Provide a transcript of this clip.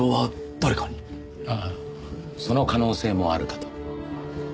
あっその可能性もあるかと。